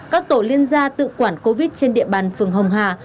các tổ liên gia tự quản covid trên địa bàn phường hồng hà